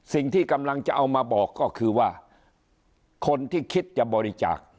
สิ่งที่กำลังจะเอามาบอกก็คือว่าคนที่คิดจะบริจาค